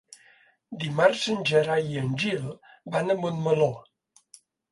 Dimarts en Gerai i en Gil van a Montmeló.